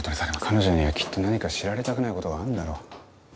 彼女にはきっと何か知られたくない事があるんだろ。